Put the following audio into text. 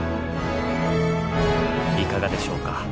いかがでしょうか。